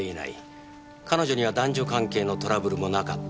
彼女には男女関係のトラブルもなかった。